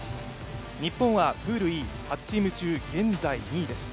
日本はプールＥ、８チーム中現在２位です。